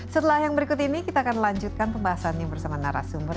setelah yang berikut ini kita akan lanjutkan pembahasannya bersama narasumber